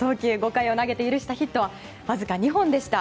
５回を投げて許したヒットはわずか２本でした。